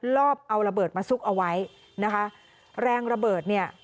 ลอบเอาระเบิร์ทมาซุกเอาไว้แรงระเบิด